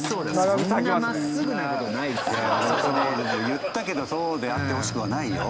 言ったけどそうであってほしくはないよ。